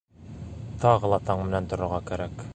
Тағы ла таң менән торорға кәрәк.